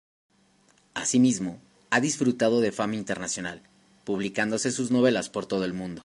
Asimismo, ha disfrutado de fama internacional, publicándose sus novelas por todo el mundo.